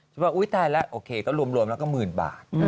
ฉันบอกอุ้ยเฮ้ยตายแล้วโอเคก็รวมและก็หมื่นบาท